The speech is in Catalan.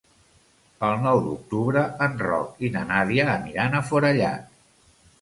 El nou d'octubre en Roc i na Nàdia aniran a Forallac.